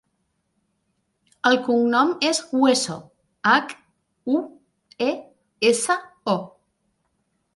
El cognom és Hueso: hac, u, e, essa, o.